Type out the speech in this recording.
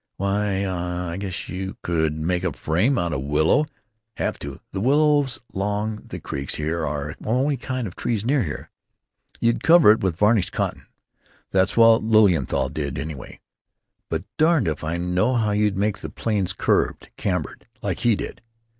"Why—uh—I guess you could make a frame out of willow—have to; the willows along the creeks are the only kind of trees near here. You'd cover it with varnished cotton—that's what Lilienthal did, anyway. But darned if I know how you'd make the planes curved—cambered—like he did.